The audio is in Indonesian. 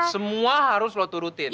semua harus lo turutin